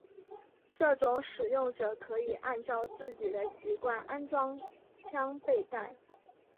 这样使用者可以按照自己的习惯安装枪背带。